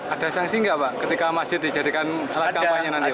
ada sanksi nggak pak ketika masjid dijadikan alat kampanye nanti pak